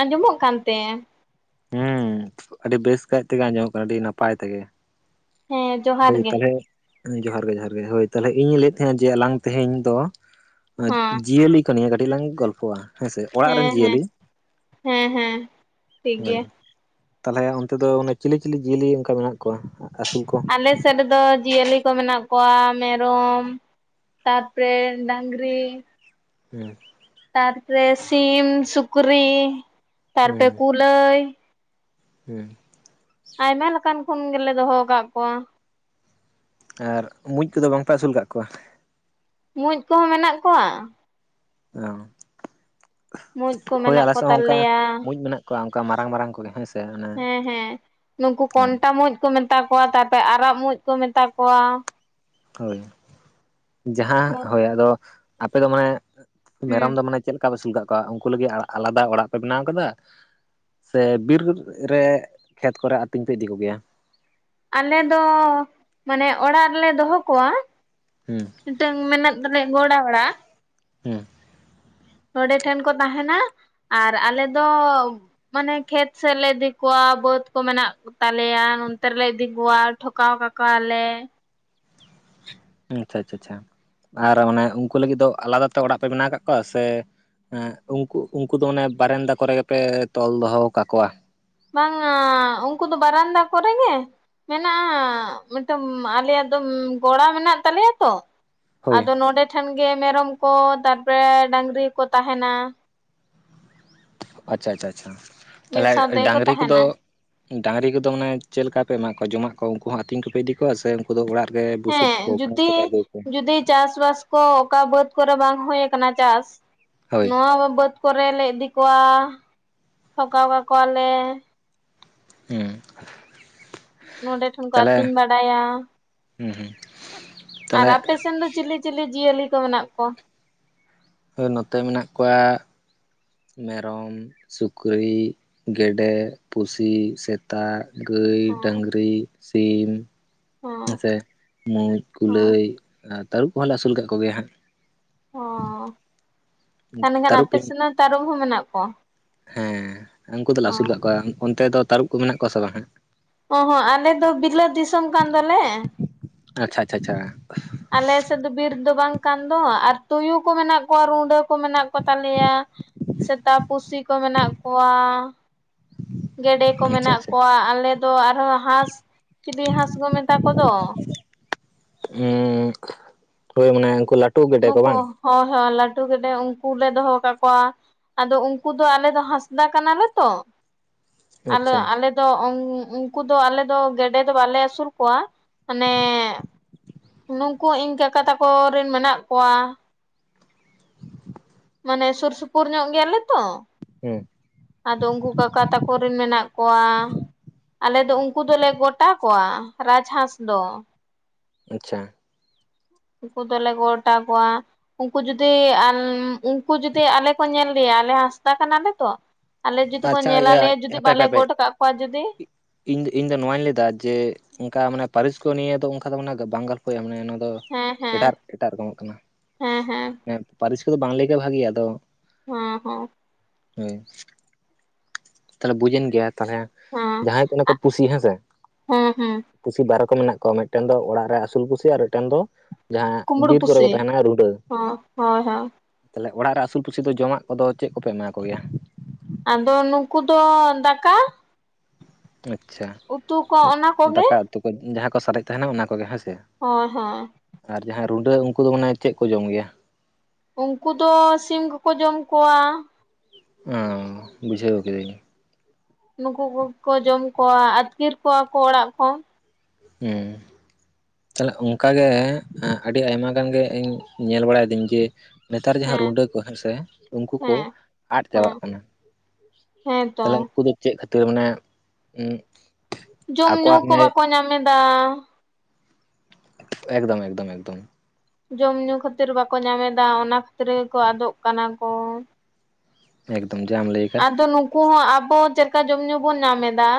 ᱟᱸᱡᱚᱢᱚᱜ ᱠᱟᱱᱛᱮ ᱦᱮᱸ ᱟᱹᱰᱤ ᱵᱮᱥ ᱠᱟᱭ ᱛᱮᱜᱮ ᱟᱸᱡᱚᱢᱚᱜ ᱠᱟᱱᱟ ᱟᱹᱰᱤ ᱱᱟᱯᱟᱭ ᱛᱮᱜᱮ ᱦᱮᱸ ᱡᱚᱦᱟᱨ ᱦᱳᱭ ᱜᱮ ᱛᱟᱦᱚᱞᱮ ᱡᱚᱦᱟᱨ ᱜᱮ ᱡᱚᱦᱟᱨ ᱜᱮ ᱦᱳᱭ ᱛᱟᱦᱚᱞᱮ ᱤᱧ ᱞᱟᱹᱭᱮᱫ ᱛᱟᱦᱮᱸᱱᱟ ᱡᱮ ᱟᱞᱟᱝ ᱛᱮᱦᱮᱧ ᱫᱚ ᱦᱮᱸ ᱡᱤᱭᱟᱹᱞᱤ ᱠᱚ ᱱᱤᱭᱟᱹ ᱠᱟᱹᱴᱤᱡ ᱞᱟᱝ ᱜᱚᱞᱯᱚᱜᱼᱟ ᱦᱮᱸᱥᱮ ᱚᱲᱟᱜ ᱨᱮᱱ ᱦᱮᱸ ᱦᱮᱸ ᱡᱤᱭᱟᱹᱞᱤ ᱦᱮᱸ ᱦᱮᱸ ᱴᱷᱤᱠ ᱦᱳᱭ ᱜᱮᱭᱟ ᱛᱟᱦᱚᱞᱮ ᱚᱱᱛᱮ ᱫᱚ ᱚᱱᱮ ᱪᱤᱞᱤ ᱪᱤᱞᱤ ᱡᱤᱭᱟᱹᱞᱤ ᱚᱱᱠᱟ ᱢᱮᱱᱟᱜ ᱠᱚᱣᱟ ᱟᱹᱥᱩᱞ ᱠᱚ ᱟᱞᱮ ᱥᱮᱫ ᱨᱮ ᱫᱚ ᱡᱤᱭᱟᱹᱞᱤ ᱠᱚ ᱢᱮᱱᱟᱜ ᱠᱚᱣᱟ ᱢᱮᱨᱚᱢ ᱛᱟᱨ ᱯᱚᱨᱮ ᱰᱟᱝᱨᱤ ᱦᱮᱸ ᱛᱟᱨ ᱯᱚᱨᱮ ᱥᱤᱢ ᱥᱩᱠᱨᱤ ᱛᱟᱨᱯᱚᱨᱮ ᱠᱩᱞᱟᱹᱭ ᱦᱮᱸ ᱟᱭᱢᱟ ᱞᱮᱠᱟᱱ ᱠᱷᱚᱱ ᱜᱮᱞᱮ ᱫᱚᱦᱚ ᱟᱠᱟᱫ ᱠᱚᱣᱟ ᱟᱨ ᱢᱩᱸᱡ ᱠᱚᱫᱚ ᱵᱟᱝᱯᱮ ᱟᱹᱥᱩᱞ ᱟᱠᱟᱫ ᱠᱚᱣᱟ ᱢᱩᱸᱡ ᱠᱚᱦᱚᱸ ᱢᱮᱱᱟᱜ ᱠᱚᱣᱟ ᱢᱩᱡ ᱠᱚ ᱦᱳᱭ ᱢᱮᱱᱟᱜ ᱟᱞᱮ ᱥᱮᱫ ᱦᱚᱸ ᱚᱱᱠᱟ ᱠᱚᱛᱟᱞᱮᱭᱟ ᱢᱩᱸᱡ ᱢᱮᱱᱟᱜ ᱠᱚᱣᱟ ᱠᱚ ᱚᱱᱠᱟ ᱢᱟᱨᱟᱝ ᱢᱟᱨᱟᱝ ᱠᱚᱜᱮ ᱦᱮᱸ ᱥᱮ ᱦᱮᱸ ᱦᱮᱸ ᱱᱩᱠᱩ ᱠᱚᱱᱴᱟ ᱢᱩᱸᱡ ᱠᱚ ᱢᱮᱛᱟ ᱠᱚᱣᱟ ᱛᱟᱨ ᱯᱚᱨᱮ ᱟᱨᱟᱜ ᱢᱩᱸᱡ ᱠᱚ ᱢᱮᱛᱟ ᱠᱚᱣᱟ ᱾ ᱦᱳᱭ ᱡᱟᱦᱟᱸ ᱦᱳᱭ ᱟᱫᱚ ᱟᱯᱮ ᱫᱚ ᱢᱟᱱᱮ ᱢᱮᱨᱚᱢ ᱦᱩᱸ ᱫᱚ ᱢᱟᱱᱮ ᱪᱮᱫ ᱞᱮᱠᱟᱼ ᱠᱟ ᱟᱹᱥᱩᱞ ᱠᱟᱫ ᱠᱚᱣᱟ ᱩᱱᱠᱩ ᱞᱟᱹᱜᱤᱫ ᱟᱞᱟᱫᱟ ᱚᱲᱟᱜ ᱯᱮ ᱵᱮᱱᱟᱣ ᱟᱠᱟᱫᱟ? ᱥᱮ ᱵᱤᱨ ᱨᱮ ᱠᱷᱮᱛ ᱠᱚᱨᱮ ᱟᱹᱛᱤᱧ ᱯᱮ ᱤᱫᱤ ᱠᱚᱜᱮᱭᱟ ᱟᱞᱮ ᱫᱚ ᱢᱟᱱᱮ ᱚᱲᱟᱜ ᱨᱮᱞᱮ ᱫᱚᱦᱚ ᱠᱚᱣᱟ ᱦᱮᱸ ᱢᱤᱫᱴᱟᱝ ᱢᱮᱱᱟᱜ ᱛᱟᱞᱮᱭᱟ ᱜᱳᱲᱟ ᱚᱲᱟᱜ ᱦᱮᱸ ᱱᱚᱰᱮ ᱴᱷᱮᱱ ᱠᱚ ᱛᱟᱦᱮᱱᱟ ᱟᱨ ᱟᱞᱮ ᱫᱚ ᱢᱟᱱᱮ ᱠᱷᱮᱛ ᱥᱮᱫ ᱞᱮ ᱤᱫᱤ ᱠᱚᱣᱟ ᱵᱟᱹᱫᱽ ᱠᱚ ᱢᱮᱱᱟᱜ ᱠᱚ ᱛᱟᱞᱮᱭᱟ ᱱᱚᱱᱛᱮ ᱨᱮ ᱞᱮ ᱤᱫᱤ ᱠᱚᱣᱟ ᱴᱷᱚᱠᱟᱣ ᱠᱟᱠᱚᱣᱟᱞᱮ ᱦᱩᱸ ᱟᱪᱪᱷᱟ ᱟᱪᱪᱷᱟ ᱟᱪᱪᱷᱟ ᱟᱨ ᱢᱟᱱᱮ ᱩᱱᱠᱩ ᱞᱟᱹᱜᱤᱫ ᱫᱚ ᱟᱞᱟᱫᱟ ᱛᱮ ᱚᱲᱟᱜ ᱯᱮ ᱵᱮᱱᱟᱣ ᱟᱠᱟᱫ ᱠᱚᱣᱟ ᱥᱮ ᱦᱮᱸ ᱩᱱᱠᱩ ᱩᱱᱠᱩ ᱫᱚ ᱚᱱᱮ ᱵᱟᱨᱮᱱᱫᱟ ᱠᱚᱨᱮ ᱜᱮᱯᱮ ᱛᱚᱞ ᱫᱚᱦᱚ ᱠᱟᱠᱚᱣᱟ? ᱵᱟᱝᱼᱟᱻ ᱩᱱᱠᱩ ᱫᱚ ᱵᱟᱨᱟᱱᱫᱟ ᱠᱚᱨᱮ ᱜᱮ ᱢᱮᱱᱟᱜᱼᱟᱻ ᱢᱤᱫᱴᱟᱝ ᱟᱞᱮᱭᱟᱜ ᱫᱚ ᱜᱚᱲᱟ ᱢᱮᱱᱟᱜ ᱛᱟᱞᱮᱭᱟ ᱛᱚ ᱦᱳᱭ ᱟᱫᱚ ᱱᱚᱰᱮ ᱴᱷᱮᱱ ᱜᱮ ᱢᱮᱨᱚᱢ ᱠᱚ ᱛᱟᱨᱯᱚᱨᱮ ᱰᱟᱹᱝᱨᱤ ᱠᱚ ᱛᱟᱦᱮᱱᱟ ᱟᱪᱪᱷᱟ ᱟᱪᱪᱷᱟ ᱪᱷᱟ ᱢᱤᱫ ᱛᱟᱦᱞᱮ ᱥᱟᱶ ᱛᱮᱜᱮ ᱠᱚ ᱰᱟᱝᱨᱤ ᱠᱚᱫᱚ ᱛᱟᱦᱮᱱᱟ ᱰᱟᱹᱟᱝᱨᱤ ᱠᱚᱫᱚ ᱢᱟᱱᱮ ᱪᱮᱫ ᱞᱮᱠᱟ ᱯᱮ ᱮᱢᱟ ᱠᱚᱣᱟ ᱡᱚᱢᱟᱜ ᱠᱚ ᱩᱱᱠᱩ ᱦᱚᱸ ᱟᱹᱛᱤᱧ ᱠᱚᱯᱮ ᱤᱫᱤ ᱠᱚᱣᱟ ᱥᱮ ᱩᱱᱠᱩ ᱫᱚ ᱚᱲᱟᱜ ᱨᱮ ᱵᱩᱥᱩᱵ ᱠᱚ ᱦᱮᱸ ᱜᱷᱟᱥ ᱡᱩᱫᱤ ᱠᱚᱯᱮ ᱟᱹᱜᱩ ᱟᱠᱚᱣᱟ? ᱡᱩᱫᱤ ᱪᱟᱥᱵᱟᱥ ᱠᱚ ᱚᱠᱟ ᱵᱟᱹᱫ ᱠᱚᱨᱮ ᱵᱟᱝ ᱦᱩ ᱟᱠᱟᱱᱟ ᱪᱟᱥ ᱦᱳᱭ ᱱᱚᱣᱟ ᱵᱟᱹᱫᱽ ᱠᱚᱨᱮᱞᱮ ᱤᱫᱤ ᱠᱚᱣᱟ, ᱴᱷᱚᱠᱟᱣ ᱠᱟᱠᱚᱣᱟᱞᱮ ᱾ ᱦᱩᱸ ᱱᱚᱰᱮ ᱴᱷᱮᱱ ᱠᱚ ᱛᱟᱦᱚᱞᱮ ᱟᱹᱛᱤᱧ ᱵᱟᱲᱟᱭᱟ ᱾ ᱦᱩᱸ ᱦᱩᱸ ᱟᱨ ᱛᱟᱦᱚᱞᱮ ᱟᱯᱮᱥᱱ ᱫᱚ ᱪᱤᱞᱤ ᱪᱤᱞᱤ ᱡᱤᱭᱟᱹᱞᱤ ᱠᱚ ᱢᱮᱱᱟᱜ ᱠᱚᱣᱟ? ᱱᱚᱛᱮ ᱢᱮᱱᱟᱜ ᱠᱚᱣᱟ ᱢᱮᱨᱚᱢ, ᱥᱩᱠᱨᱤ, ᱜᱮᱰᱮ, ᱯᱩᱥᱤ, ᱥᱮᱛᱼ ᱼᱥᱮᱛᱟ, ᱜᱟᱹᱭ, ᱰᱟᱝᱨᱤ, ᱥᱤᱢ ᱦᱚᱸ ᱦᱮᱸᱥᱮ ᱢᱩᱡ, ᱦᱚᱸ ᱠᱩᱞᱟᱹᱭ, ᱛᱟᱹᱨᱩᱵ ᱠᱚᱦᱚᱸᱞᱮ ᱟᱹᱥᱩᱞ ᱠᱟᱜ ᱠᱚᱜᱮᱭᱟ ᱦᱟᱸᱜ ᱾ ᱚ ᱛᱟᱦᱮᱞᱮᱠᱷᱟᱱ ᱛᱟᱹᱨᱩᱵ ᱟᱯᱮ ᱤᱧ ᱥᱮᱫ ᱦᱚᱸ ᱛᱟᱨᱩᱵ ᱦᱚᱸ ᱢᱮᱱᱟᱜ ᱠᱚᱣᱟ? ᱦᱮᱸ ᱩᱱᱠᱩ ᱫᱚᱞᱮ ᱚ ᱟᱹᱥᱩᱞ ᱠᱟᱫ ᱠᱚᱣᱟ ᱾ ᱚᱱᱛᱮ ᱫᱚ ᱛᱟᱹᱨᱩᱵ ᱠᱚ ᱢᱮᱱᱟᱜ ᱠᱚᱣᱟ ᱥᱮ ᱵᱟᱝ ᱦᱟᱸᱜ? ᱚ ᱦᱚᱸᱜ ᱟᱞᱮ ᱫᱚ ᱵᱤᱞᱟᱹᱛ ᱫᱤᱥᱚᱢ ᱠᱟᱱ ᱫᱚᱞᱮ ᱾ ᱟᱪᱪᱷᱟ ᱟᱪᱪᱷᱟ ᱟᱪᱪᱷᱟ ᱾ ᱟᱞᱮ ᱥᱮᱫ ᱫᱚ ᱵᱤᱨ ᱫᱚ ᱵᱟᱝ ᱠᱟᱱ ᱫᱚ ᱟᱨ ᱛᱩᱭᱩ ᱠᱚ ᱢᱮᱱᱟᱜ ᱠᱚᱣᱟ ᱨᱩᱸᱰᱟᱹ ᱠᱚ ᱢᱮᱱᱟᱜ ᱠᱚᱛᱟᱞᱮᱭᱟ ᱥᱮᱛᱟ, ᱯᱩᱥᱤ ᱠᱚ ᱢᱮᱱᱟᱜ ᱠᱚᱣᱟ ᱜᱮᱰᱮ ᱠᱚ ᱟᱪᱪᱷᱟ ᱢᱮᱱᱟᱜ ᱟᱪᱪᱷᱟ ᱠᱚᱣᱟ ᱟᱞᱮ ᱫᱚ ᱟᱨᱦᱚᱸ ᱦᱟᱸᱥ ᱪᱤᱞᱤ ᱦᱟᱸᱥ ᱠᱚ ᱢᱮᱛᱟ ᱠᱚᱫᱚ? ᱦᱳᱭ ᱢᱟᱱᱮ ᱩᱱᱠᱩ ᱞᱟᱹᱴᱩ ᱜᱮᱰᱮ ᱠᱚ ᱱᱩᱠᱩ ᱵᱟᱝ ᱦᱳᱭ ᱦᱳᱭ ᱞᱟᱹᱴᱩ ᱜᱮᱰᱮ ᱩᱱᱠᱩ ᱞᱮ ᱫᱚᱦᱚ ᱠᱟᱫ ᱠᱚᱣᱟ ᱾ ᱟᱫᱚ ᱩᱱᱠᱩ ᱫᱚ ᱟᱞᱮ ᱫᱚ ᱦᱟᱸᱥᱫᱟ ᱠᱟᱱᱟᱞᱮ ᱛᱚ ᱾ ᱟᱞᱮ ᱟᱪᱪᱷᱟ ᱟᱞᱮ ᱫᱚ ᱩᱱᱠᱩ ᱫᱚ ᱟᱞᱮ ᱫᱚ ᱜᱮᱰᱮ ᱫᱚ ᱵᱟᱞᱮ ᱟᱹᱥᱩᱞ ᱠᱚᱣᱟ ᱢᱟᱱᱮ ᱱᱩᱠᱩ ᱤᱧ ᱠᱟᱠᱟ ᱛᱟᱠᱚ ᱨᱮᱱ ᱢᱮᱱᱟᱜ ᱠᱚᱣᱟ ᱢᱟᱱᱮ ᱥᱩᱨ ᱥᱩᱯᱩᱨ ᱧᱚᱜ ᱜᱮᱭᱟᱞᱮ ᱛᱚ ᱦᱩᱸ ᱟᱫᱚ ᱩᱱᱠᱩ ᱠᱟᱠᱟ ᱛᱟᱠᱚ ᱨᱮᱱ ᱢᱮᱱᱟᱜ ᱠᱚᱣᱟ ᱟᱞᱮ ᱫᱚ ᱩᱱᱠᱩ ᱫᱚᱞᱮ ᱜᱚᱴᱟ ᱠᱚᱣᱟ ᱨᱟᱡᱽ ᱦᱟᱸᱥ ᱫᱚ ᱟᱪᱪᱷᱟ ᱩᱱᱠᱩ ᱫᱚᱞᱮ ᱜᱚᱴ ᱟᱠᱚᱣᱟ ᱩᱱᱠᱩ ᱡᱩᱫᱤ ᱩᱱᱠᱩ ᱡᱩᱫᱤ ᱟᱞᱮ ᱠᱚ ᱧᱮᱞ ᱞᱮᱭᱟ ᱟᱞᱮ ᱦᱟᱸᱥᱫᱟ ᱠᱟᱱᱟᱞᱮ ᱛᱚ ᱟᱞᱮ ᱡᱩᱫᱤ ᱠᱚ ᱟᱪᱪᱷᱟ ᱧᱮᱞ ᱟᱞᱮᱭᱟ ᱡᱩᱫᱤ ᱦᱟᱯᱮ ᱦᱟᱯᱮ ᱵᱟᱞᱮ ᱦᱟᱯᱮ ᱜᱚᱰ ᱠᱟᱜ ᱠᱚᱣᱟ ᱡᱩᱫᱤ ᱤᱧ ᱤᱧ ᱫᱚ ᱱᱚᱣᱟᱧ ᱞᱟᱹᱭ ᱫᱟ ᱡᱮ ᱚᱱᱠᱟ ᱢᱟᱱᱮ ᱯᱟᱹᱨᱤᱥ ᱠᱚ ᱱᱤᱭᱟᱹ ᱫᱚ ᱚᱱᱠᱟ ᱫᱚ ᱚᱱᱟ ᱵᱟᱝ ᱦᱳᱭ ᱢᱟᱱᱮ ᱚᱱᱟ ᱫᱚ ᱦᱮᱸ ᱦᱮᱸ ᱮᱰᱟᱨ ᱮᱴᱟᱜ ᱨᱚᱠᱚᱢᱚᱜ ᱠᱟᱱᱟ ᱦᱮᱸ ᱦᱮᱸ ᱮᱸ ᱯᱟᱹᱨᱤᱥ ᱠᱚᱫᱚ ᱵᱟᱝ ᱞᱟᱹᱭ ᱜᱮ ᱵᱷᱟᱜᱮᱭᱟ ᱟᱫᱚ ᱦᱮᱸ ᱦᱚᱸ ᱦᱳᱭ ᱛᱟᱦᱚᱞᱮ ᱵᱩᱡᱮᱱ ᱜᱮᱭᱟ ᱛᱟᱦᱚᱞᱮ ᱦᱮᱸ ᱡᱟᱦᱟᱸᱭ ᱠᱟᱱᱟ ᱠᱚ ᱯᱩᱥᱤ ᱦᱮᱸ ᱥᱮ ᱦᱮᱸ ᱦᱮᱸ ᱯᱩᱥᱤ ᱵᱟᱨ ᱨᱚᱠᱚᱢ ᱢᱮᱱᱟᱜ ᱠᱚᱣᱟ ᱾ ᱢᱤᱫᱴᱮᱱ ᱫᱚ ᱚᱲᱟᱜ ᱨᱮ ᱟᱹᱥᱩᱞ ᱯᱩᱥᱤ ᱟᱨ ᱢᱤᱫᱴᱮᱱ ᱫᱚ ᱡᱟᱦᱟᱸ ᱠᱩᱢᱵᱽᱲᱩ ᱵᱤᱨ ᱠᱚᱨᱮ ᱠᱚ ᱯᱩᱥᱤ ᱛᱟᱦᱮᱱᱟ ᱨᱩᱰᱟᱹ ᱦᱚᱸ ᱦᱳᱭ ᱦᱳᱭ ᱛᱟᱦᱚᱞᱮ ᱚᱲᱟᱜ ᱨᱮ ᱟᱹᱥᱩᱞ ᱯᱩᱥᱤ ᱫᱚ ᱡᱚᱢᱟᱜ ᱠᱚᱫᱚ ᱪᱮᱫ ᱠᱚᱯᱮ ᱮᱢᱟ ᱠᱚ ᱜᱮᱭᱟ? ᱟᱫᱚ ᱱᱩᱠᱩ ᱫᱚ ᱫᱟᱠᱟ ᱟᱪᱪᱷᱟ ᱩᱛᱩ ᱠᱚ ᱚᱱᱟ ᱠᱚᱜᱮ ᱫᱟᱠᱟ ᱩᱛᱩ ᱠᱚ ᱡᱟᱦᱟᱸ ᱠᱚ ᱥᱟᱨᱮᱡ ᱛᱟᱦᱮᱱᱟ ᱚᱱᱟ ᱠᱚᱜᱮ ᱦᱮᱸ ᱥᱮ ᱦᱳᱭ ᱦᱳᱭ ᱟᱨ ᱡᱟᱦᱟᱸᱭ ᱨᱩᱰᱟᱹ ᱩᱱᱠᱩ ᱫᱚ ᱢᱟᱱᱮ ᱪᱮᱫ ᱠᱚ ᱡᱚᱢ ᱜᱮᱭᱟ ᱩᱱᱠᱩ ᱫᱚ ᱥᱤᱢ ᱠᱚᱠᱚ ᱡᱚᱢ ᱠᱚᱣᱟ ᱚ ᱵᱩᱡᱷᱟᱹᱣ ᱠᱤᱫᱟᱹᱧ ᱱᱩᱠᱩ ᱠᱚᱠᱚ ᱡᱚᱢ ᱠᱚᱣᱟ ᱟᱹᱛᱠᱤᱨ ᱠᱚᱣᱟ ᱠᱚ ᱚᱲᱟᱜ ᱠᱷᱚᱱ ᱦᱩᱸ ᱛᱟᱦᱞᱮ ᱚᱱᱠᱟ ᱜᱮ ᱟᱹᱰᱤ ᱟᱭᱢᱟ ᱜᱟᱱ ᱜᱮ ᱤᱧ ᱧᱮᱞ ᱵᱟᱲᱟᱭ ᱫᱤᱧ ᱡᱮ ᱱᱮᱛᱟᱨ ᱡᱟᱦᱟᱸ ᱦᱮᱸ ᱨᱩᱰᱟᱹ ᱠᱚ ᱦᱮᱸ ᱥᱮ ᱩᱱᱠᱩ ᱠᱚ ᱦᱮᱸ ᱟᱫ ᱦᱮᱸ ᱪᱟᱵᱟᱜ ᱠᱟᱱᱟ ᱦᱮᱸ ᱛᱚ ᱛᱟᱦᱚᱞᱮ ᱩᱱᱠᱩ ᱫᱚ ᱪᱮᱫ ᱠᱷᱟᱹᱛᱤᱨ ᱢᱟᱱᱮ ᱩᱸᱜ ᱡᱚᱢ ᱧᱩ ᱠᱚ ᱵᱟᱠᱚ ᱧᱟᱢ ᱮᱫᱟ ᱮᱠᱫᱚᱢ ᱮᱠᱫᱚᱢ ᱮᱠᱫᱚᱢ ᱡᱚᱢ ᱧᱩ ᱠᱷᱟᱹᱛᱤᱨ ᱵᱟᱠᱚ ᱧᱟᱢ ᱮᱫᱟ ᱚᱱᱟ ᱠᱷᱟᱹᱛᱤᱨ ᱜᱮᱠᱚ ᱟᱫᱚᱜ ᱠᱟᱱᱟ ᱠᱚ ᱮᱠᱫᱚᱢ ᱡᱟᱢ ᱞᱟᱹᱭ ᱠᱟᱫ ᱠᱩ ᱦᱚᱸ ᱟᱵᱚ ᱪᱮᱫ ᱞᱮᱠᱟ ᱡᱚᱢ ᱧᱩ ᱵᱚᱱ ᱧᱟᱢ ᱮᱫᱟ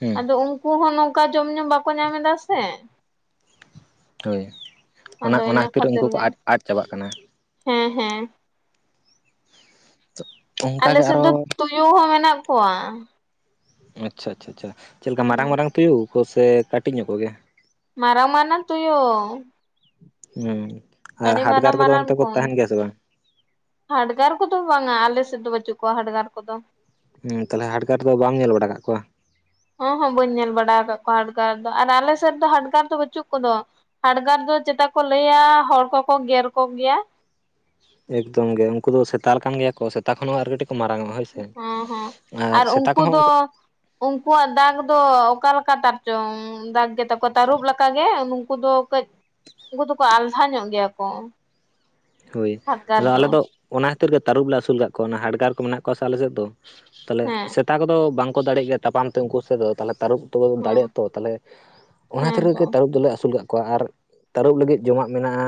ᱦᱮᱸ ᱟᱫᱚ ᱩᱱᱠᱩ ᱦᱚᱸ ᱱᱚᱝ ᱠᱟ ᱡᱚᱢ ᱧᱩ ᱵᱟᱠᱚ ᱧᱟᱢ ᱮᱫᱟ ᱥᱮ ᱦᱳᱭ ᱚᱱᱟ, ᱟᱫᱚ ᱚᱱᱟ ᱤᱱᱟᱹ ᱠᱷᱟᱹᱛᱤᱨ ᱩᱱᱠᱩ ᱠᱚ ᱜᱮ ᱟᱫ ᱟᱫ ᱪᱟᱵᱟᱜ ᱠᱟᱱᱟ ᱦᱮᱸ ᱦᱮᱸ ᱟᱞᱮ ᱚᱱᱠᱟᱜᱮ ᱥᱮᱫ ᱟᱨᱚ ᱫᱚ ᱛᱩᱭᱩ ᱦᱚᱸ ᱢᱮᱱᱟᱜ ᱠᱚᱣᱟ ᱟᱪᱪᱷᱟ ᱟᱪᱪᱷᱟ ᱪᱷᱟ ᱪᱮᱫ ᱞᱮᱠᱟ ᱢᱟᱨᱟᱝ ᱦᱩᱸ ᱢᱟᱨᱟᱝ ᱛᱩᱭᱩ ᱠᱚ ᱥᱮ ᱠᱟᱹᱴᱤᱡ ᱧᱚᱜ ᱠᱚᱜᱮ ᱢᱟᱨᱟᱝ ᱢᱟᱨᱟᱝ ᱛᱩᱭᱩ ᱦᱩᱸ ᱟᱹᱰᱤ ᱟᱨ ᱦᱟᱰᱜᱟᱨ ᱢᱟᱨᱟᱝ ᱠᱚᱫᱚ ᱢᱟᱨᱟᱝ ᱚᱱᱛᱮ ᱠᱚ ᱛᱟᱦᱮᱱ ᱜᱮᱭᱟ ᱥᱮ ᱵᱟᱝ ᱦᱟᱰᱜᱟᱨ ᱠᱚᱫᱚ ᱵᱟᱝᱟ ᱟᱞᱮ ᱥᱮᱫ ᱫᱚ ᱵᱟᱹᱪᱩᱜ ᱠᱚᱣᱟ ᱦᱟᱰᱜᱟᱨ ᱠᱚᱫᱚ ᱦᱩᱸ ᱛᱟᱦᱞᱮ ᱦᱟᱴᱰᱟᱨ ᱫᱚ ᱵᱟᱢ ᱧᱮᱞ ᱵᱟᱲᱟ ᱠᱟᱜ ᱠᱚᱣᱟ ᱦᱚᱸ ᱦᱚᱸ ᱵᱟᱹᱧ ᱧᱮᱞ ᱵᱟᱲᱟ ᱟᱠᱟᱫ ᱠᱚᱣᱟ ᱦᱟᱰᱜᱟᱨ ᱫᱚ ᱟᱨ ᱟᱞᱮ ᱥᱮᱫ ᱫᱚ ᱦᱟᱰᱜᱟᱨ ᱫᱚ ᱵᱟᱹᱪᱩᱜ ᱠᱚᱫᱚ ᱦᱟᱰᱜᱟᱨ ᱫᱚ ᱪᱮᱛᱟ ᱠᱚ ᱞᱟᱹᱭᱟ ᱦᱚᱲ ᱠᱚᱠᱚ ᱜᱮᱨ ᱠᱚ ᱜᱮᱭᱟ ᱮᱠᱫᱚᱢ ᱜᱮ ᱩᱝᱠᱩ ᱫᱚ ᱥᱮᱛᱟ ᱞᱮᱠᱟᱱ ᱜᱮᱭᱟ ᱠᱚ ᱥᱮᱛᱟ ᱠᱷᱚᱱ ᱦᱚᱸ ᱟᱨ ᱠᱟᱹᱴᱤᱡ ᱠᱚ ᱢᱟᱨᱟᱝᱚᱜ-ᱟ ᱦᱚᱸ ᱦᱚᱸ ᱟᱨ ᱩᱝᱠᱩ ᱫᱚ ᱩᱝᱠᱩᱣᱟᱜ ᱫᱟᱜᱽ ᱫᱚ ᱚᱠᱟ ᱞᱮᱠᱟ ᱛᱟᱨ ᱪᱚᱝ ᱫᱟᱜᱽ ᱜᱮ ᱛᱟᱠᱚ ᱛᱟᱹᱨᱩᱵ ᱞᱮᱠᱟ ᱜᱮ ᱩᱱᱠᱩ ᱫᱚ ᱠᱟᱹᱡ ᱩᱱᱠᱩ ᱫᱚᱠᱚ ᱟᱞᱡᱷᱟ ᱧᱚᱜ ᱜᱮᱭᱟ ᱠᱚ ᱦᱳᱭ ᱟᱫᱚ ᱟᱞᱮ ᱫᱚ ᱚᱱᱟ ᱠᱷᱟᱹᱛᱤᱨ ᱜᱮ ᱛᱟᱹᱨᱩᱵ ᱞᱮ ᱟᱹᱥᱩᱞ ᱠᱟᱫ ᱠᱚᱣᱟ ᱚᱱᱟ ᱦᱟᱰᱜᱟᱨ ᱠᱚ ᱢᱮᱱᱟᱜ ᱠᱚᱣᱟ ᱥᱮ ᱟᱞᱮ ᱥᱮᱫ ᱫᱚ ᱛᱟᱞᱦᱮ ᱦᱮᱸ ᱥᱮᱛᱟ ᱠᱚᱫᱚ ᱵᱟᱝ ᱠᱚ ᱫᱟᱲᱮᱜ ᱜᱮᱭᱟ ᱛᱟᱯᱟᱢ ᱛᱮ ᱩᱝᱠᱩ ᱥᱟᱛᱮ ᱫᱚ ᱛᱟᱞᱦᱮ ᱛᱟᱹᱨᱩᱵ ᱛᱚ ᱦᱮᱸ ᱫᱟᱲᱮᱜ-ᱟ ᱛᱚ ᱛᱟᱦᱚᱞᱮ ᱚᱱᱟ ᱦᱮᱸ ᱠᱷᱟᱹᱛᱤᱨ ᱛᱚ ᱜᱮ ᱛᱟᱹᱨᱩᱯ ᱫᱚᱞᱮ ᱟᱹᱥᱩᱞ ᱠᱟᱜ ᱠᱚ ᱠᱚᱣᱟ ᱟᱨ ᱛᱟᱹᱨᱩᱵ ᱞᱟᱹᱜᱤᱫ ᱡᱚᱢᱟᱜ ᱢᱮᱱᱟᱜ-ᱟ‌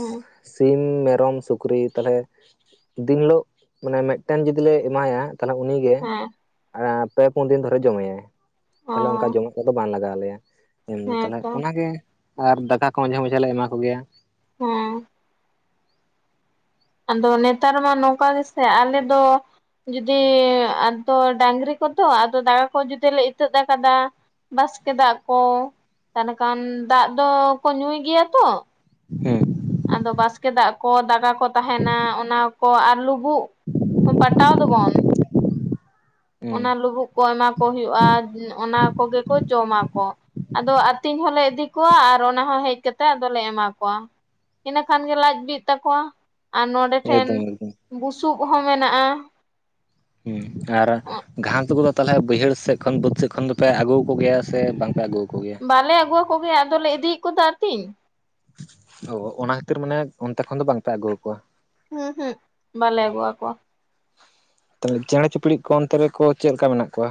ᱦᱩᱸ ᱥᱤᱢ ᱢᱮᱨᱚᱢ ᱥᱩᱠᱨᱤ ᱛᱟᱦᱞᱮ ᱫᱤᱱ ᱦᱤᱞᱳᱜ ᱢᱟᱱᱮ ᱢᱮᱫᱴᱮᱱ ᱡᱩᱫᱤ ᱞᱮ ᱮᱢᱟᱭᱟ ᱛᱟᱦᱞᱮ ᱩᱱᱤ ᱜᱮ ᱦᱮᱸ ᱮᱸ ᱯᱮ ᱯᱩᱱ ᱫᱤᱱ ᱫᱷᱚᱨᱮ ᱡᱚᱢᱮᱭᱟᱭ ᱚ ᱛᱟᱦᱞᱮ ᱚᱝᱠᱟ ᱡᱚᱢᱟᱜ ᱠᱚᱫᱚ ᱵᱟᱝ ᱞᱟᱜᱟᱣ ᱟᱞᱮᱭᱟ ᱮᱢ ᱫᱚ ᱦᱮᱸ ᱛᱟᱦᱞᱮ ᱛᱚ ᱚᱱᱟᱜᱮ ᱟᱨ ᱫᱟᱠᱟ ᱠᱚ ᱢᱟᱡᱷᱮ ᱢᱟᱡᱷᱮ ᱞᱮ ᱮᱢᱟ ᱠᱚᱜᱮᱭᱟ ᱦᱚᱸ ᱟᱫᱚ ᱱᱮᱛᱟᱨ ᱢᱟ ᱱᱚᱝᱠᱟ ᱜᱮᱥᱮ ᱟᱞᱮ ᱫᱚ ᱡᱩᱫᱤ ᱟᱫᱚ ᱰᱟᱝᱨᱤ ᱠᱚᱫᱚ ᱟᱫᱚ ᱫᱟᱠᱟ ᱠᱚ ᱡᱚᱫᱤ ᱞᱮ ᱤᱛᱟᱹᱫ ᱟᱠᱟᱫᱟ ᱵᱟᱥᱠᱮ ᱫᱟᱜ ᱠᱚ ᱛᱟᱦᱚᱞᱮ ᱠᱷᱟᱱ ᱫᱟᱜ ᱫᱚᱠᱚ ᱧᱩᱭ ᱜᱮᱭᱟ ᱛᱚ ᱦᱩᱸ ᱟᱫᱚ ᱵᱟᱥᱠᱮ ᱫᱟᱜ ᱠᱚ ᱫᱟᱠᱟ ᱠᱚ ᱛᱟᱦᱮᱱᱟ ᱚᱱᱟ ᱠᱚ ᱟᱨ ᱞᱩᱵᱩᱜ ᱦᱚᱸ ᱯᱟᱴᱟᱣ ᱫᱚᱵᱚᱱ ᱦᱩᱸ ᱚᱱᱟ ᱞᱩᱵᱩᱜ ᱠᱚ ᱮᱢᱟ ᱠᱚ ᱦᱩᱭᱩᱜᱼᱟ ᱚᱱᱟ ᱠᱚᱜᱮ ᱠᱚ ᱡᱚᱢᱟᱠᱚ ᱟᱫᱚ ᱟᱹᱛᱤᱧ ᱦᱚᱸᱞᱮ ᱤᱫᱤ ᱠᱚᱣᱟ ᱟᱨ ᱚᱱᱟ ᱦᱚᱸ ᱦᱮᱡ ᱠᱟᱛᱮᱜ ᱟᱫᱚᱞᱮ ᱮᱢᱟ ᱠᱚᱣᱟ ᱤᱱᱟᱹ ᱠᱷᱟᱱᱜᱮ ᱞᱟᱡ ᱵᱤᱜ ᱛᱟᱠᱚᱣᱟ ᱟᱨ ᱱᱚᱸᱰᱮ ᱴᱷᱮᱱ ᱮᱠᱫᱚᱢ ᱮᱠᱫᱚᱢ ᱵᱩᱥᱩᱵ ᱦᱚᱸ ᱢᱮᱱᱟᱜᱼᱟ ᱦᱩᱸ, ᱟᱨ ᱜᱷᱟᱸᱥ [unintelligible] ᱛᱟᱦᱞᱮ ᱵᱟᱹᱭᱦᱟᱹᱲ ᱥᱮᱫ ᱠᱷᱚᱱ ᱵᱟᱹᱫᱽ ᱥᱮᱫ ᱠᱷᱚᱱ ᱫᱚᱯᱮ ᱟᱹᱜᱩ ᱠᱚ ᱜᱮᱭᱟ ᱥᱮ ᱵᱟᱝ ᱯᱮ ᱟᱹᱜᱩᱣ ᱟᱠᱚ ᱜᱮᱭᱟ ᱵᱟᱞᱮ ᱟᱹᱜᱩᱣᱟᱠᱚᱜᱮ ᱟᱫᱚᱞᱮ ᱤᱫᱤ ᱮᱫ ᱠᱚ ᱟᱨᱠᱤ ᱚ ᱚᱱᱟ ᱠᱷᱟᱹᱛᱤᱨ ᱢᱟᱱᱮ ᱚᱱᱛᱮ ᱠᱷᱚᱱ ᱫᱚ ᱵᱟᱝ ᱯᱮ ᱟᱹᱜᱩᱣᱟᱠᱚᱣᱟ ᱩᱸᱦᱩᱸᱜ ᱵᱟᱞᱮ ᱟᱹᱜᱩ ᱟᱠᱚᱣᱟ ᱛᱟᱦᱞᱮ ᱪᱮᱬᱮ ᱪᱤᱯᱲᱤᱫ ᱠᱚ ᱚᱱᱛᱮ ᱨᱮᱠᱚ ᱪᱮᱫ ᱞᱮᱠᱟ ᱢᱮᱱᱟᱜ ᱠᱚᱣᱟ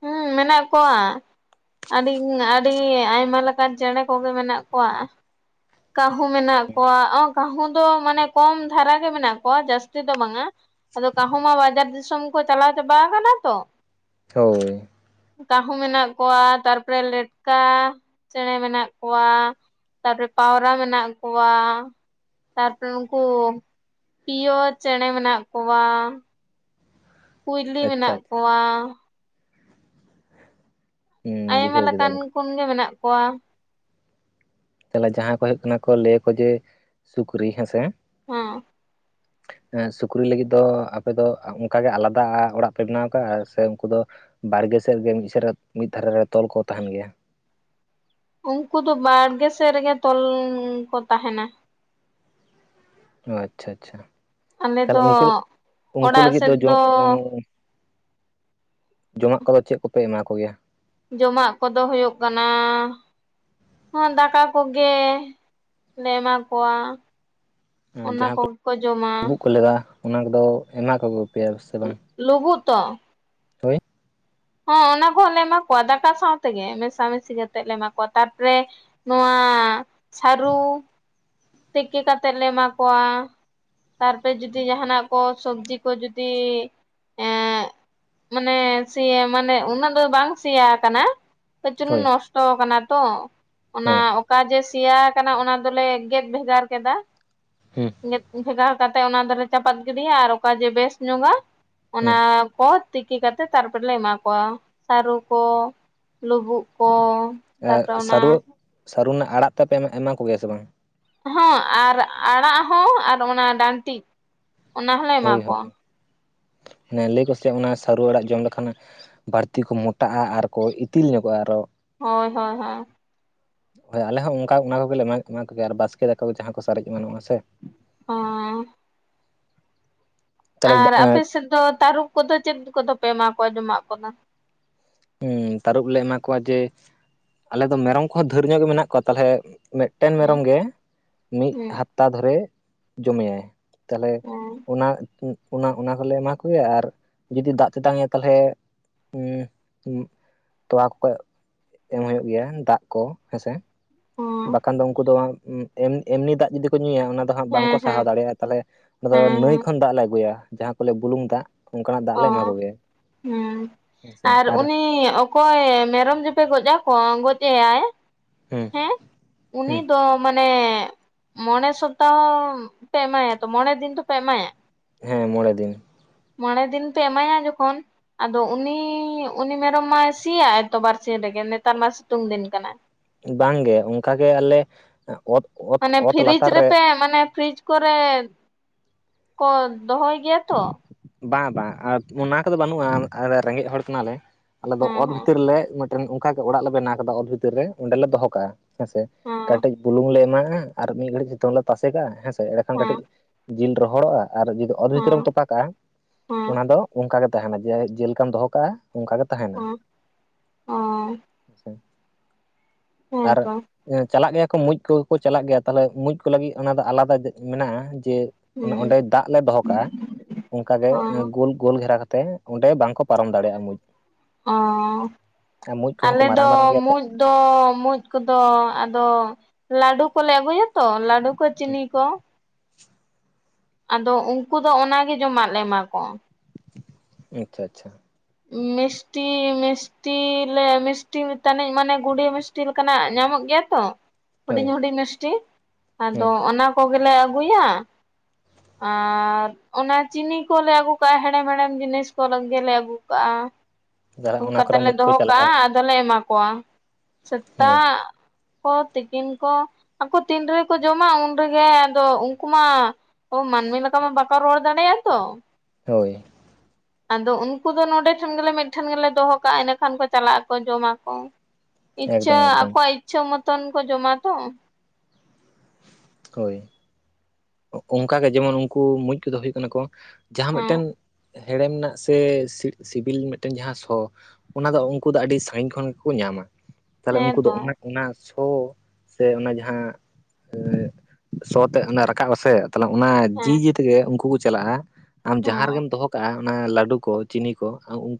ᱦᱩᱸ ᱢᱮᱱᱟᱜ ᱠᱚᱣᱟ ᱟᱹᱰᱤ ᱟᱹᱰᱤ ᱟᱭᱢᱟ ᱞᱮᱠᱟᱱ ᱪᱮᱬᱮ ᱠᱚᱜᱮ ᱢᱮᱱᱟᱜ ᱠᱚᱣᱟ ᱠᱟᱹᱦᱩ ᱢᱮᱱᱟᱜ ᱠᱚᱣᱟ ᱠᱟᱹᱦᱩ ᱫᱚ ᱢᱟᱱᱮ ᱠᱚᱢ ᱫᱷᱟᱨᱟ ᱜᱮ ᱢᱮᱱᱟᱜ ᱠᱚᱣᱟ ᱡᱟᱹᱥᱛᱤ ᱫᱚ ᱵᱟᱝᱟ ᱟᱫᱚ ᱠᱟᱹᱦᱩ ᱢᱟ ᱵᱟᱡᱟᱨ ᱫᱤᱥᱚᱢ ᱠᱚ ᱪᱟᱞᱟᱣ ᱪᱟᱵᱟ ᱟᱠᱟᱱᱟ ᱛᱚ ᱦᱳᱭ ᱠᱟᱹᱦᱩ ᱢᱮᱱᱟᱜ ᱠᱚᱣᱟ ᱛᱟᱨᱯᱚᱨᱮ ᱞᱮᱴᱠᱟ ᱪᱮᱬᱮ ᱢᱮᱱᱟᱜ ᱠᱚᱣᱟ ᱛᱟᱨᱯᱚᱨᱮ ᱯᱟᱣᱨᱟ ᱢᱮᱱᱟᱜ ᱠᱚᱣᱟ ᱛᱟᱨᱯᱚᱨᱮ ᱩᱱᱠᱩ ᱯᱤᱭᱳ ᱪᱮᱬᱮ ᱢᱮᱱᱟᱜ ᱠᱚᱣᱟ ᱠᱩᱭᱞᱤ ᱟᱪᱪᱷᱟ ᱢᱮᱱᱟᱜ ᱟᱪᱪᱷᱟ ᱠᱚᱣᱟ ᱦᱩᱸ ᱟᱭᱢᱟ ᱵᱩᱡᱷᱟᱹᱣ ᱞᱮᱠᱟᱱ ᱠᱮᱫᱟᱞᱤᱧ ᱠᱚᱜᱮ ᱢᱮᱱᱟᱜ ᱠᱚᱣᱟ ᱛᱟᱦᱚᱞᱮ ᱡᱟᱦᱟᱸ ᱠᱚ ᱦᱩᱭᱩᱜ ᱠᱟᱱᱟ ᱠᱚ ᱞᱟᱹᱭᱟᱠᱚ ᱡᱮ ᱥᱩᱠᱨᱤ ᱦᱮᱸᱥᱮ ᱦᱮᱸ ᱥᱩᱠᱨᱤ ᱞᱟᱹᱜᱤᱫ ᱫᱚ ᱟᱯᱮ ᱫᱚ ᱚᱱᱠᱟᱜᱮ ᱟᱞᱟᱫᱟ ᱚᱲᱟᱜ ᱯᱮ ᱵᱮᱱᱟᱣ ᱟᱠᱟᱫᱼᱟ ᱥᱮ ᱩᱱᱠᱩ ᱫᱚ ᱵᱟᱲᱜᱮ ᱥᱮᱫ ᱜᱮ ᱢᱤᱫ ᱥᱮ ᱢᱤᱫ ᱫᱷᱟᱨᱮ ᱨᱮ ᱛᱚᱞ ᱠᱚ ᱛᱟᱦᱮᱱ ᱜᱮᱭᱟ ᱩᱱᱠᱩ ᱫᱚ ᱵᱟᱲᱜᱮ ᱥᱮᱫ ᱨᱮᱜᱮ ᱛᱚᱞ ᱠᱚ ᱛᱟᱦᱮᱱᱟ ᱚ ᱟᱪᱪᱷᱟ ᱟᱪᱪᱷᱟ ᱟᱞᱮ ᱛᱟᱦᱞᱮ ᱫᱚ ᱩᱱᱠᱩ ᱩᱱᱠᱩ ᱚᱲᱟᱜ ᱞᱟᱹᱜᱤᱫ ᱥᱮᱫ ᱫᱚ ᱡᱚ ᱚ ᱡᱚᱢᱟᱜ ᱠᱚᱫᱚ ᱪᱮᱫ ᱠᱚᱯᱮ ᱮᱢᱟ ᱠᱚᱜᱮᱭᱟ ᱡᱚᱢᱟᱜ ᱠᱚᱫᱚ ᱦᱩᱭᱩᱜ ᱠᱟᱱᱟ ᱦᱚᱸ ᱫᱟᱠᱟ ᱠᱚᱜᱮ ᱞᱮ ᱮᱢᱟ ᱠᱚᱣᱟ ᱟᱨ ᱚᱱᱟ ᱡᱟᱦᱟᱸ ᱠᱚ ᱠᱚᱜᱮ ᱡᱚᱢᱟ ᱰᱩᱵᱩᱜ ᱠᱚ ᱞᱮᱫᱟ ᱚᱱᱟ ᱠᱚᱫᱚ ᱮᱢᱟ ᱠᱚᱜ ᱯᱮᱭᱟ ᱥᱮ ᱵᱟᱝ ᱞᱩᱵᱩᱜ ᱛᱚ ᱦᱳᱭ ᱦᱮᱸ ᱚᱱᱟ ᱠᱚᱦᱚᱸ ᱞᱮ ᱮᱢᱟ ᱠᱚᱣᱟ ᱫᱟᱠᱟ ᱥᱟᱶᱛᱮᱜᱮ ᱢᱮᱥᱟᱢᱮᱥᱤ ᱠᱟᱛᱮᱜ ᱞᱮ ᱮᱢᱟ ᱠᱚᱣᱟ ᱛᱟᱨᱯᱚᱨᱮ ᱱᱚᱣᱟ ᱥᱟᱹᱨᱩ ᱛᱮᱠᱮ ᱠᱟᱛᱮᱜ ᱞᱮ ᱮᱢᱟ ᱠᱚᱣᱟ ᱛᱟᱨᱯᱚᱨᱮ ᱡᱩᱫᱤ ᱡᱟᱦᱟᱱᱟᱜ ᱠᱚ ᱥᱚᱵᱽᱡᱤ ᱠᱚ ᱡᱩᱫᱤ ᱮ ᱢᱟᱱᱮ ᱥᱮᱭᱟ ᱢᱟᱱᱮ ᱩᱱᱟᱹᱜ ᱫᱚ ᱵᱟᱝ ᱥᱮᱭᱟ ᱟᱠᱟᱱᱟ ᱠᱟᱹᱪ ᱪᱩᱞᱩᱝ ᱦᱳᱭ ᱱᱚᱥᱴᱚ ᱠᱟᱱᱟ ᱛᱚ ᱚᱱᱟ ᱦᱮᱸ ᱚᱠᱟ ᱡᱮ ᱥᱮᱭᱟ ᱟᱠᱟᱱᱟ ᱚᱱᱟ ᱫᱚᱞᱮ ᱜᱮᱫ ᱵᱷᱮᱜᱟᱨ ᱠᱮᱫᱟ ᱦᱮᱸ ᱜᱮᱫ ᱵᱷᱮᱜᱟᱨ ᱠᱟᱛᱮ ᱚᱱᱟ ᱫᱚᱞᱮ ᱪᱟᱯᱟᱫ ᱜᱤᱰᱤᱭᱟ ᱟᱨ ᱚᱠᱟ ᱡᱮ ᱵᱮᱥ ᱧᱚᱜᱼᱟ ᱦᱩᱸ ᱚᱱᱟ ᱠᱚ ᱛᱤᱠᱤ ᱠᱟᱛᱮ ᱛᱟᱨᱯᱚᱨ ᱞᱮ ᱮᱢᱟ ᱠᱚᱣᱟ ᱥᱟᱹᱨᱩ ᱠᱚ ᱞᱩᱵᱩᱜ ᱠᱚ ᱛᱟᱯᱚᱨᱮ ᱥᱟ ᱚᱱᱟ ᱥᱟᱹᱨᱩ ᱨᱮᱱᱟᱜ ᱟᱲᱟᱜ ᱛᱮᱜ-ᱯᱮ ᱮᱢᱟ ᱠᱚᱜᱮᱭᱟ ᱥᱮ ᱵᱟᱝ ᱦᱚᱸ ᱟᱨ ᱟᱲᱟᱜ ᱦᱚᱸ ᱟᱨ ᱚᱱᱟ ᱰᱟᱱᱴᱤᱡ ᱚᱱᱟ ᱦᱚᱸᱞᱮ ᱮᱢᱟ ᱦᱳᱭ ᱦᱳᱭ ᱠᱚᱣᱟ ᱦᱟᱱᱮ ᱞᱟᱹᱭ ᱟᱠᱚᱥᱮ ᱚᱱᱟ ᱥᱟᱹᱨᱩ ᱟᱲᱟᱜ ᱡᱚᱢ ᱞᱮᱠᱷᱟᱱ ᱵᱟᱹᱲᱛᱤ ᱠᱚ ᱢᱚᱴᱟᱜᱼᱟ ᱟᱨᱠᱚ ᱤᱛᱤᱞ ᱧᱚᱜᱚᱜᱼᱟ ᱟᱨᱚ ᱦᱳᱭ ᱦᱳᱭ ᱦᱳᱭ ᱦᱳᱭ ᱟᱞᱮ ᱦᱚᱸ ᱚᱱᱠᱟ ᱚᱱᱟ ᱠᱚᱜᱮᱞᱮ ᱮᱢᱟ ᱮᱢᱟ ᱠᱚᱜᱮᱭᱟ ᱟᱨ ᱵᱟᱥᱠᱮ ᱫᱟᱠᱟ ᱠᱚ ᱡᱟᱦᱟᱸ ᱠᱚ ᱥᱟᱨᱮᱡ ᱮᱢᱟᱱᱚᱜᱼᱟ ᱥᱮ ᱦᱚᱸ ᱛᱟᱦᱚᱞᱮ ᱟᱨ ᱟᱯᱮ ᱥᱮᱫ ᱫᱚ ᱛᱟᱹᱨᱩᱵ ᱠᱚᱫᱚ ᱪᱮᱫ ᱠᱚᱫᱚ ᱯᱮ ᱮᱢᱟ ᱠᱚᱣᱟ ᱡᱚᱢᱟᱜ ᱠᱚᱫᱚ ᱦᱩᱸ ᱛᱟᱹᱨᱩᱯ ᱞᱮ ᱮᱢᱟ ᱠᱚᱣᱟ ᱡᱮ ᱟᱞᱮ ᱫᱚ ᱢᱮᱨᱚᱢ ᱠᱚᱦᱚᱸ ᱫᱷᱮᱨ ᱧᱚᱜ ᱜᱮ ᱢᱮᱱᱟᱜ ᱠᱚᱣᱟ ᱛᱟᱞᱮ ᱢᱤᱫ ᱢᱤᱫᱴᱮᱱ ᱦᱩᱸ ᱢᱮᱨᱚᱢ ᱜᱮ ᱢᱤᱫ ᱦᱩᱸ ᱦᱟᱯᱛᱟ ᱫᱷᱚᱨᱮ ᱡᱚᱢᱮᱭᱟᱭ ᱛᱟᱦᱚᱞᱮ ᱦᱩᱸ ᱚᱱᱟ ᱚᱱᱟ ᱚᱱᱟ ᱠᱚᱞᱮ ᱮᱢᱟ ᱠᱚᱜᱮᱭᱟ ᱟᱨ ᱡᱩᱫᱤ ᱫᱟᱜ ᱛᱮᱛᱟᱝ ᱮᱭᱟ ᱛᱟᱦᱚᱞᱮ ᱛᱚᱣᱟ ᱠᱚᱠᱚ ᱮᱢ ᱦᱩᱭᱩᱜ ᱜᱮᱭᱟ ᱫᱟᱜ ᱠᱚ ᱦᱮᱸᱥᱮ ᱦᱩᱸ ᱵᱟᱠᱷᱟᱱ ᱫᱚ ᱩᱱᱠᱩ ᱫᱚ ᱮᱢᱱᱤ ᱫᱟᱜ ᱡᱩᱫᱤ ᱠᱚ ᱧᱩᱭᱟ ᱚᱱᱟ ᱫᱚ ᱦᱟᱸᱜ ᱵᱟᱝᱠᱚ ᱦᱮᱸ ᱦᱮᱸ ᱥᱟᱦᱟᱣ ᱫᱟᱲᱮᱭᱟᱜᱼᱟ ᱛᱟᱦᱚᱞᱮ ᱚᱱᱟ ᱫᱚ ᱦᱮᱸ ᱱᱟᱹᱭ ᱦᱮᱸ ᱠᱷᱚᱱ ᱫᱟᱜ ᱞᱮ ᱟᱹᱜᱩᱭᱟ ᱡᱟᱦᱟᱸ ᱠᱚ ᱞᱟᱹᱭ ᱵᱩᱞᱩᱝ ᱫᱟᱜ ᱚᱱᱠᱟᱱᱟᱜ ᱫᱟᱜ ᱚ ᱞᱮ ᱮᱢᱟ ᱠᱚᱜᱮᱭᱟ ᱦᱩᱸ ᱟᱨ ᱩᱱᱤ [inaudible] ᱚᱠᱚᱭ ᱢᱮᱨᱚᱢ ᱡᱮᱯᱮ ᱜᱚᱡ ᱟᱠᱚᱣᱟ ᱜᱚᱡᱮᱭᱟᱭ ᱦᱩᱸ ᱦᱮᱸ ᱩᱱᱤ ᱦᱩᱸ ᱫᱚ ᱢᱟᱱᱮ ᱢᱟᱱᱮ ᱢᱚᱸᱬᱮ ᱥᱚᱯᱛᱟᱦᱚ ᱯᱮ ᱮᱢᱟᱭᱟ ᱛᱚ ᱢᱚᱬᱮ ᱫᱤᱱ ᱛᱚᱯᱮ ᱮᱢᱟᱭᱟ ᱦᱮᱸ ᱢᱚᱸᱬᱮ ᱫᱤᱱ ᱢᱚᱬᱮ ᱫᱤᱱ ᱯᱮ ᱮᱢᱟᱭᱟ ᱡᱚᱠᱷᱚᱱ ᱟᱫᱚ ᱩᱱᱤ ᱩᱱᱤ ᱢᱮᱨᱚᱢ ᱢᱟᱭ ᱥᱤᱭᱟᱜ-ᱟᱭ ᱛᱚ ᱵᱟᱨᱥᱤᱧ ᱨᱮᱜᱮ ᱱᱮᱛᱟᱨ ᱢᱟ ᱥᱤᱛᱩᱝ ᱫᱤᱱ ᱠᱟᱱᱟ ᱵᱟᱝᱜᱮ ᱚᱱᱠᱟᱜᱮ ᱟᱞᱮ ᱚᱛ ᱚᱛ ᱢᱟᱱᱮ ᱚᱛ ᱯᱷᱨᱤᱡᱽ ᱞᱟᱛᱟᱨ ᱨᱮ ᱨᱮᱯᱮ ᱢᱟᱱᱮ ᱯᱷᱨᱤᱡᱽ ᱠᱚᱨᱮ ᱠᱚ ᱫᱚᱦᱚᱭ ᱜᱮᱭᱟ ᱛᱚ ᱵᱟᱝ ᱵᱟᱝ ᱚᱱᱟ ᱠᱚᱫᱚ ᱵᱟᱹᱱᱩᱜᱼᱟ ᱨᱮᱸᱜᱮᱡ ᱦᱚᱲ ᱠᱟᱱᱟᱞᱮ ᱟᱞᱮ ᱫᱚ ᱦᱮᱸ ᱚᱛ ᱦᱮᱸ ᱵᱷᱤᱛᱤᱨᱮᱞᱮ ᱢᱤᱫᱴᱮᱱ ᱚᱱᱠᱟᱜᱮ ᱚᱲᱟᱜ ᱞᱮ ᱵᱮᱱᱟᱣ ᱟᱠᱟᱫᱟ ᱚᱛ ᱵᱷᱤᱛᱤᱨ ᱨᱮ ᱚᱸᱰᱮᱞᱮ ᱫᱚᱦᱚ ᱠᱟᱜᱼᱟ ᱦᱮᱸᱥᱮ ᱦᱮᱸ ᱠᱟᱹᱴᱤᱡ ᱵᱩᱞᱩᱝ ᱞᱮ ᱮᱢᱟᱜᱼᱟ ᱟᱨ ᱢᱤᱫ ᱜᱷᱟᱹᱲᱤᱡ ᱥᱤᱛᱩᱝ ᱨᱮᱞᱮ ᱛᱟᱥᱮ ᱠᱟᱜᱼᱟ ᱦᱮᱸᱥᱮ ᱚᱸᱲᱮᱠᱷᱟᱱ ᱦᱮᱸ ᱠᱟᱹᱴᱤᱡ ᱡᱤᱞ ᱨᱚᱦᱚᱲᱚᱜᱼᱟ ᱟᱨ ᱡᱩᱫᱤ ᱚᱛ ᱵᱷᱤᱛᱨᱤ ᱨᱮᱢ ᱦᱮᱸ ᱛᱚᱯᱟ ᱠᱟᱜᱼᱟ ᱦᱮᱸ ᱚᱱᱟ ᱫᱚ ᱚᱱᱠᱟ ᱜᱮ ᱛᱟᱦᱮᱱᱟ ᱡᱮ ᱡᱮᱞᱮᱠᱟᱢ ᱫᱚᱦᱚ ᱠᱟᱜᱼᱟ ᱚᱱᱠᱟ ᱜᱮ ᱛᱟᱦᱮᱱᱟ ᱦᱮᱸ ᱚ ᱟᱪᱪᱷᱟ ᱟᱨ ᱦᱮᱸᱛᱚ [inaudible] ᱪᱟᱞᱟᱜ ᱜᱮᱭᱟ ᱠᱚ ᱢᱩᱸᱡ ᱠᱚᱜᱮ ᱠᱚ ᱪᱟᱞᱟᱜ ᱜᱮᱭᱟ ᱛᱟᱦᱞᱮ ᱢᱩᱸᱡ ᱠᱚ ᱞᱟᱹᱜᱤᱫ ᱚᱱᱟ ᱫᱚ ᱟᱞᱟᱫᱟ ᱢᱮᱱᱟᱜᱼᱟ ᱡᱮ ᱚᱱᱮ ᱦᱩᱸ ᱚᱸᱰᱮ ᱫᱟᱜ ᱞᱮ ᱫᱚᱦᱚ ᱠᱟᱜᱼᱟ ᱚᱱᱠᱟᱜᱮ ᱚ ᱜᱳᱞ ᱜᱳᱞ ᱜᱷᱮᱨᱟ ᱠᱟᱛᱮᱜ ᱚᱸᱰᱮ ᱵᱟᱝᱠᱚ ᱯᱟᱨᱚᱢ ᱫᱟᱲᱮᱭᱟᱜᱼᱟ ᱢᱩᱸᱡ ᱚ ᱟᱨ ᱢᱩᱸᱡ ᱠᱚᱦᱚᱸ ᱠᱚ ᱟᱞᱮ ᱢᱟᱨᱟᱝ ᱫᱚ ᱢᱟᱨᱟᱝ ᱜᱮᱭᱟ ᱛᱚ ᱢᱩᱸᱡ ᱫᱚ ᱢᱩᱸᱪ ᱠᱚᱫᱚ ᱟᱫᱚ ᱞᱟᱹᱰᱩ ᱠᱚᱞᱮ ᱟᱹᱜᱩᱭᱟᱛᱚ ᱞᱟᱹᱰᱩ ᱪᱤᱱᱤ ᱠᱚ ᱟᱫᱚ ᱩᱱᱠᱩ ᱫᱚ ᱚᱱᱟᱜᱮ ᱡᱚᱢᱟᱜ ᱞᱮ ᱮᱢᱟ ᱠᱚᱣᱟ ᱟᱪᱪᱷᱟ ᱟᱪᱪᱷᱟ ᱢᱤᱥᱴᱤ ᱢᱤᱥ ᱢᱤᱥᱴᱤᱞᱮ ᱢᱤᱥᱴᱤ ᱛᱟᱱᱤᱡ ᱢᱟᱱᱮ ᱜᱩᱰᱤᱭᱟᱹ ᱢᱤᱥᱴᱤ ᱞᱮᱠᱟᱱᱟᱜ ᱧᱟᱢᱚᱜ ᱜᱮᱭᱟ ᱛᱚ ᱦᱳᱭ ᱦᱩᱰᱤᱧ ᱦᱩᱰᱤᱧ ᱢᱤᱥᱴᱤ ᱟᱫᱚ ᱦᱮᱸ ᱚᱱᱟ ᱠᱚᱜᱮᱞᱮ ᱟᱹᱜᱩᱭᱟ ᱟᱨ ᱚᱱᱟ ᱪᱤᱱᱤ ᱠᱚᱞᱮ ᱟᱹᱜᱩ ᱠᱟᱜᱼᱟ ᱦᱮᱲᱮᱢ ᱦᱮᱲᱮᱢ ᱡᱤᱱᱤᱥ ᱠᱚ ᱜᱮᱞᱮ ᱟᱹᱜᱩᱼᱼ ᱠᱟᱜ-ᱟ ᱟᱹᱜᱩ ᱚᱱᱟ ᱠᱟᱛᱮ ᱠᱚᱨᱮ ᱞᱮ ᱢᱩᱸᱡ ᱠᱚ ᱫᱚᱦᱚ ᱪᱟᱞᱟᱜᱼᱟ ᱠᱟᱜᱼᱟ ᱟᱫᱚᱞᱮ ᱮᱢᱟ ᱠᱚᱣᱟ ᱦᱳᱭ ᱥᱮᱛᱟᱜ ᱠᱚ ᱛᱤᱠᱤᱱ ᱠᱚ ᱟᱠᱚ ᱛᱤᱱ ᱨᱮᱜᱮ ᱠᱚ ᱡᱚᱢᱟ ᱩᱱ ᱨᱮᱜᱮ ᱟᱫᱚ ᱩᱱᱠᱩ ᱢᱟ ᱚ ᱢᱟᱹᱱᱢᱤ ᱞᱮᱠᱟ ᱢᱟ ᱵᱟᱠᱚ ᱨᱚᱲ ᱫᱟᱲᱮᱭᱟᱜᱼᱟ ᱛᱚ ᱦᱳᱭ ᱟᱫᱚ ᱩᱱ ᱩᱱᱠᱩ ᱫᱚ ᱱᱚᱰᱮ ᱴᱷᱮᱱ ᱜᱮᱞᱮ ᱢᱤᱫᱴᱷᱮᱱ ᱜᱮᱞᱮ ᱫᱚᱦᱚ ᱠᱟᱜᱼᱟ ᱮᱰᱮ ᱠᱷᱟᱱ ᱠᱚ ᱪᱟᱞᱟᱜ ᱟᱠᱚ ᱡᱚᱢᱟ ᱠᱚ ᱤᱪᱪᱷᱟᱹ ᱮᱠᱫᱚᱢ ᱮᱠᱫᱚᱢ ᱟᱠᱚᱣᱟᱜ ᱤᱪᱪᱷᱟᱹ ᱢᱚᱛᱚᱱ ᱠᱚ ᱡᱚᱢᱟ ᱛᱚ ᱦᱳᱭ ᱚᱱᱠᱟᱟᱜ ᱜᱮ ᱡᱮᱢᱚᱱ ᱩᱱᱠᱩ ᱢᱩᱡ ᱠᱚᱫᱚ ᱦᱩᱭᱩᱜ ᱠᱟᱱᱟ ᱠᱚ ᱡᱟᱦᱟᱸ ᱦᱮᱸ ᱢᱤᱫᱴᱮᱱ ᱦᱮᱲᱮᱢ ᱨᱮᱱᱟᱜ ᱥᱮ ᱥᱤᱵᱤᱞ ᱢᱤᱫᱴᱮᱱ ᱡᱟᱦᱟᱸ ᱥᱚ ᱚᱱᱟ ᱫᱚ ᱩᱱᱠᱩ ᱫᱚ ᱟᱰᱤ ᱥᱟᱺᱜᱤᱧ ᱠᱷᱚᱱ ᱜᱮᱠᱚ ᱧᱟᱢᱟ᱾ ᱛᱟᱦᱚᱞᱮ ᱦᱮᱸ ᱩᱱᱠᱩ ᱫᱚ ᱛᱚ ᱚᱱᱟ ᱚᱱᱟ ᱥᱚ ᱥᱮ ᱚᱱᱟ ᱡᱟᱦᱟᱸ ᱥᱚ ᱛᱮᱫ ᱨᱟᱠᱟᱵ ᱟᱥᱮ ᱛᱟᱦᱚᱞᱮ ᱚᱱᱟ ᱡᱤ ᱦᱮᱸ ᱡᱤ ᱛᱮᱜᱮ ᱩᱱᱠᱩ ᱠᱚ ᱪᱟᱞᱟᱜᱼᱟ᱾ ᱟᱢ ᱡᱟᱦᱟᱸ ᱦᱮᱸ ᱨᱮᱜᱮᱢ ᱫᱚᱦᱚ ᱠᱟᱜᱼᱟ ᱚᱱᱟ ᱞᱟᱰᱩ ᱠᱚ ᱪᱤᱱᱤ ᱠᱚ ᱩᱱᱠᱩ